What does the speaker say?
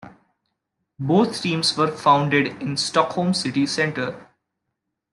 Both teams were founded in Stockholm City Centre.